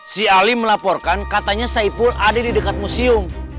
si ali melaporkan katanya saipul ada di dekat museum